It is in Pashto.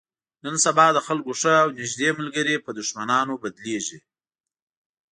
نن سبا د خلکو ښه او نیږدې ملګري په دښمنانو بدلېږي.